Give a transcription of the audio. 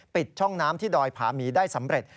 ช่องน้ำที่ดอยผาหมีได้สำเร็จ